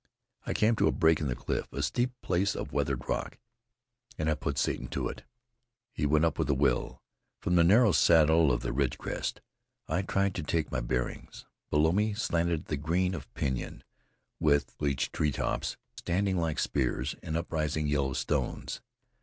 I came to a break in the cliff, a steep place of weathered rock, and I put Satan to it. He went up with a will. From the narrow saddle of the ridge crest I tried to take my bearings. Below me slanted the green of pinyon, with the bleached treetops standing like spears, and uprising yellow stones.